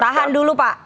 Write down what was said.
tahan dulu pak